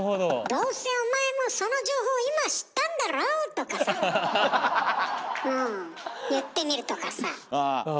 「どうせお前もその情報今知ったんだろ？」とかさ。言ってみるとかさ。